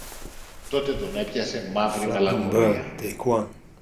Τότε τον έπιασε μαύρη μελαγχολία.